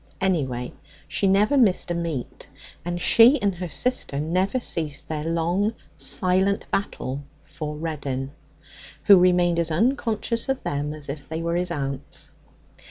Anyway, she never missed a meet, and she and her sister never ceased their long silent battle for Reddin, who remained as unconscious of them as if they were his aunts.